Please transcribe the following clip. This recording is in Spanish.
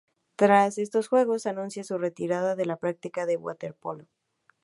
Tras estos Juegos, anuncia su retirada de la práctica del waterpolo.